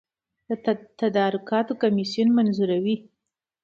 د تدارکاتو کمیسیون منظوروي